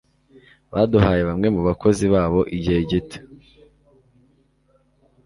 Baduhaye bamwe mu bakozi babo igihe gito.